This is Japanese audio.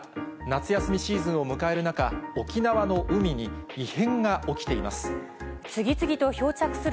夏休みシーズンを迎える中、沖縄の海に異変が起きています。